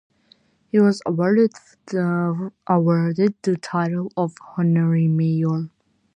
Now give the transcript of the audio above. He was awarded the title of honorary mayor.